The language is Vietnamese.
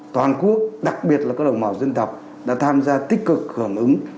toàn quốc đặc biệt là các đồng bào dân tộc đã tham gia tích cực hưởng ứng